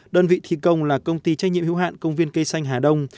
đơn vị thi công là công ty trách nhiệm hữu hạn công viên cây xanh hà đông